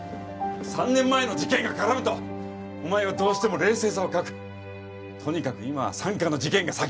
３年前の事件が絡むとお前はどうしても冷静さを欠くとにかく今は三課の事件が先だ